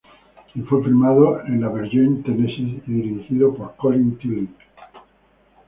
Y fue filmado en La Vergne, Tennessee y dirigido por Colin Tilley.